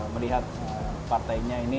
melihat partainya ini